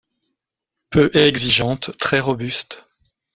Peu exigeante, très robuste.